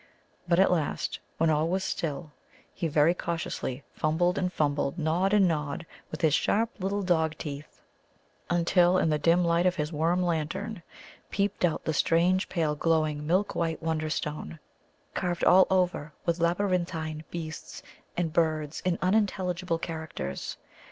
But at last, when all was still, he very cautiously fumbled and fumbled, gnawed and gnawed with his sharp little dog teeth, until in the dim light of his worm lantern peeped out the strange pale glowing milk white Wonderstone, carved all over with labyrinthine beast and bird and unintelligible characters.